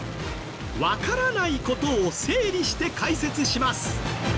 わからない事を整理して解説します。